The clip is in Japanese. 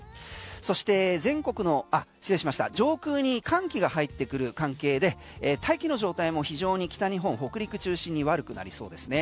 そして上空に寒気が入ってくる関係で大気の状態も非常に北日本、北陸中心に悪くなりそうですね。